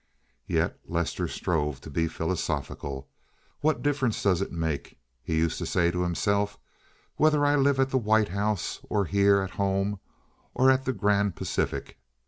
Yet Lester strove to be philosophical. "What difference does it make?" he used to say to himself, "whether I live at the White House, or here at home, or at the Grand Pacific?"